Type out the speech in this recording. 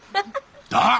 だっ？